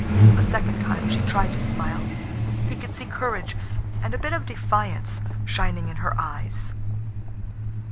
A second time she tried to smile. He could see courage, and a bit of defiance, shining in her eyes.